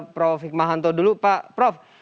prof hikmahanto dulu pak prof